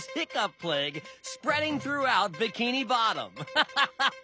ハハハハ！